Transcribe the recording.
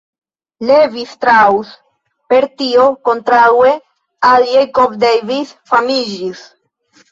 Levi Strauss per tio, kontraŭe al Jacob Davis, famiĝis.